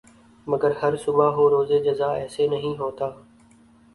مگر ہر صبح ہو روز جزا ایسے نہیں ہوتا